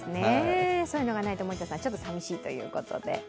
そういうのがないと森田さん、ちょっと寂しいということで。